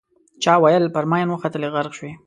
چا ویل پر ماین وختلې غرق شوې.